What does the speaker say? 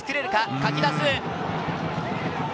かき出す。